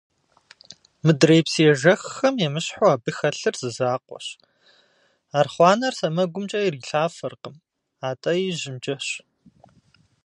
Мыдрей псы ежэххэм емыщхьу абы хэлъыр зы закъуэщ – архъуанэр сэмэгумкӏэ ирилъафэркъым, атӏэ ижьымкӏэщ!